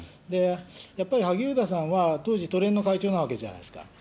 やっぱり萩生田さんは当時都連の会長なわけじゃないですか。